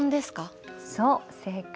そう正解。